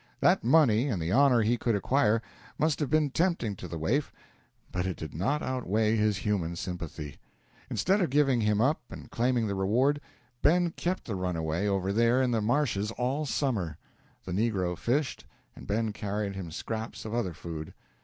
That money, and the honor he could acquire, must have been tempting to the waif, but it did not outweigh his human sympathy. Instead of giving him up and claiming the reward, Ben kept the runaway over there in the marshes all summer. The negro fished, and Ben carried him scraps of other food.